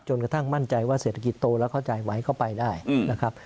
กระทั่งมั่นใจว่าเศรษฐกิจโตแล้วเข้าใจไหมก็ไปได้นะครับ